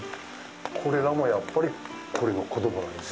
これらも、やっぱりこれの子供なんですよ。